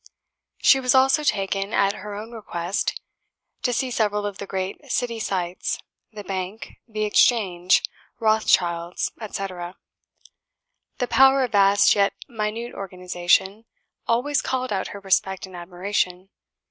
She was also taken, at her own request, to see several of the great City sights; the Bank, the Exchange, Rothschild's, etc. The power of vast yet minute organisation, always called out her respect and admiration.